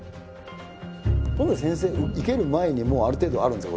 こういうの先生生ける前にもうある程度あるんですか？